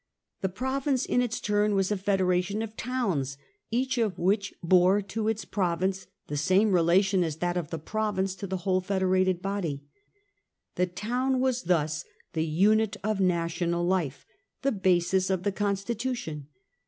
The province in its turn was a federation of towns, each of which bore to its province the same relation as that of the province to the whole federated body. The town was thus the unit of national life, the basis of the constitution.